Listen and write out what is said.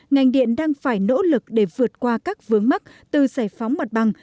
ngành điện đang phải nỗ lực để vượt qua các vướng mắt từ giải phóng mặt bằng